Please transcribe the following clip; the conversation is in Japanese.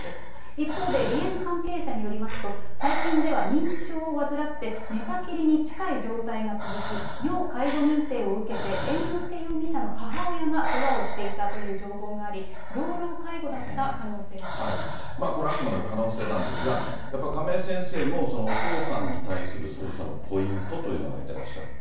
一方で梨園関係者によりますと、最近では認知症を患って、寝たきりに近い状態が続き、要介護認定を受けて、猿之助容疑者の母親が世話をしていたという情報があり、これ、あくまでも可能性なんですが、やっぱり亀井先生もお父さんに対する捜査のポイントというのを挙げてらっしゃって。